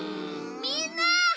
みんな！